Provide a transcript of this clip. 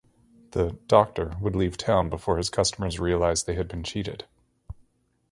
The "doctor" would leave town before his customers realized they had been cheated.